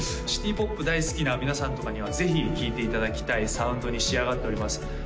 シティ・ポップ大好きな皆さんとかにはぜひ聴いていただきたいサウンドに仕上がっております